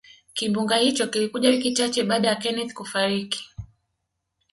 kimbunga hicho kilikuja wiki chache baada ya kenneth kufariki